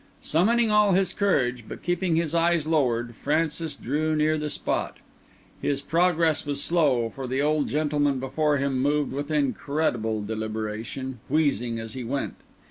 Summoning all his courage, but keeping his eyes lowered, Francis drew near the spot. His progress was slow, for the old gentleman before him moved with incredible deliberation, wheezing as he went.